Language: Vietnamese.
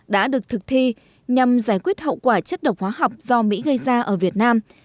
đã được thực thi nhằm giải quyết hậu quả chất độc hóa học do mỹ gây ra ở việt nam